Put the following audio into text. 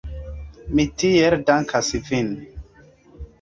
Mi tiel dankas vin.